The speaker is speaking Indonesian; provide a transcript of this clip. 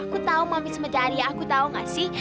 aku tau mami sama dari aku tau gak sih